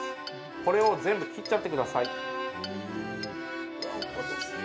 これを全部切っちゃってください。